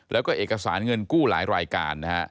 แล้วก็เอกสารเงินกู้หลายรายการนะฮะ